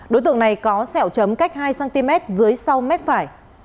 đối tượng này có sẹo chấm cách hai cm dưới sau mép phải